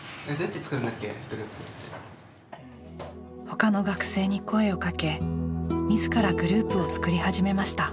他の学生に声をかけ自らグループを作り始めました。